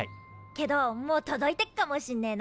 けどもう届いてっかもしんねえな。